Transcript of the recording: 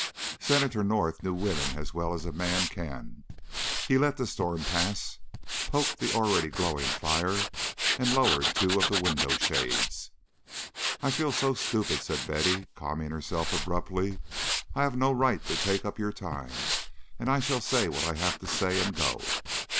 Senator North knew women as well as a man can. He let the storm pass, poked the already glowing fire, and lowered two of the window shades. "I feel so stupid," said Betty, calming herself abruptly. "I have no right to take up your time, and I shall say what I have to say and go."